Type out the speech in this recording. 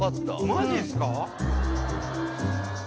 マジですか？